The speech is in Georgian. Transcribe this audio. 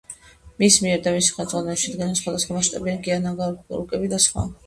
მის მიერ და მისი ხელმძღვანელობით შედგენილია სხვადასხვა მასშტაბიანი ნიადაგური რუკები და სხვა.